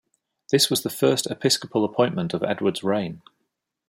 This was the first episcopal appointment of Edward's reign.